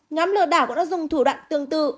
nhóm lừa đảo cũng đã dùng thủ đoạn tương tự